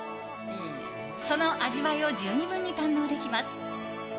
その味わいを十二分に堪能できます。